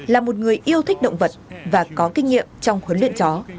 là một người yêu thích động vật và có kinh nghiệm trong huấn luyện chó